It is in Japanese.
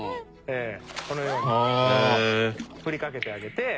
このように振りかけてあげて。